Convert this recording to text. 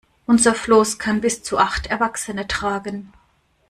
Unser Floß kann bis zu acht Erwachsene tragen.